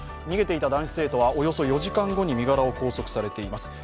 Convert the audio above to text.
逃げていた男子生徒はおよそ４時間後に身柄を拘束されています。